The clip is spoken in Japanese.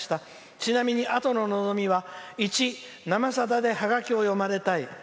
ちなみに、あとの望みは１「生さだ」でハガキを読まれたい」。